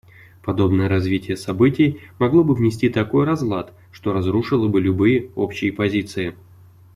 Подобное развитие событий могло бы внести такой разлад, что разрушило бы любые общие позиции.